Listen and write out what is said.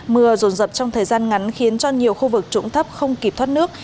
mưa rồn rập trong thời gian ngắn khiến cho nhiều khu vực trũng thấp không kịp thoát nước